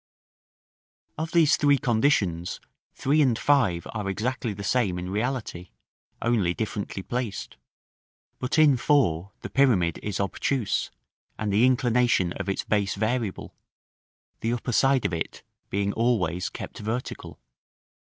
Of these three conditions, 3 and 5 are exactly the same in reality, only differently placed; but in 4 the pyramid is obtuse, and the inclination of its base variable, the upper side of it being always kept vertical.